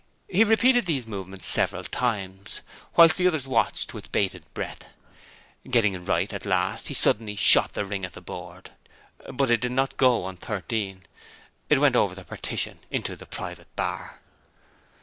He repeated these movements several times, whilst the others watched with bated breath. Getting it right at last he suddenly shot the ring at the board, but it did not go on No. 13; it went over the partition into the private bar.